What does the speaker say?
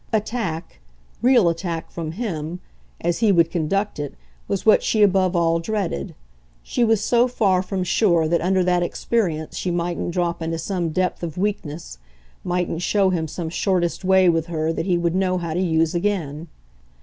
Attack, real attack, from him, as he would conduct it was what she above all dreaded; she was so far from sure that under that experience she mightn't drop into some depth of weakness, mightn't show him some shortest way with her that he would know how to use again.